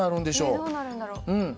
えどうなるんだろう？